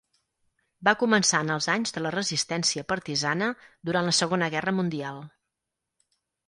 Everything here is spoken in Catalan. Va començar en els anys de la resistència partisana durant la Segona Guerra Mundial.